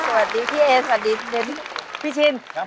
สวัสดีพี่เอสสวัสดีเดน